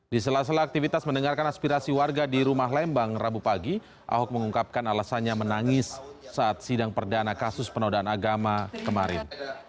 di sela sela aktivitas mendengarkan aspirasi warga di rumah lembang rabu pagi ahok mengungkapkan alasannya menangis saat sidang perdana kasus penodaan agama kemarin